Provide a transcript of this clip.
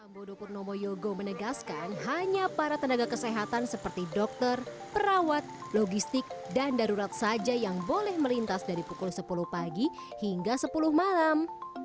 sambodo purnomo yogo menegaskan hanya para tenaga kesehatan seperti dokter perawat logistik dan darurat saja yang boleh melintas dari pukul sepuluh pagi hingga sepuluh malam